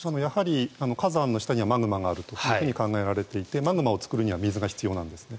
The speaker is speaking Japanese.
やはり火山の下にはマグマがあると考えられていてマグマを作るには水が必要なんですね。